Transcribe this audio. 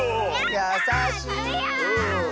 やさしい！